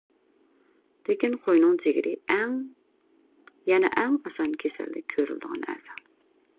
لېكىن، قوينىڭ جىگىرى يەنە ئەڭ ئاسان كېسەللىك كۆرۈلىدىغان ئەزا.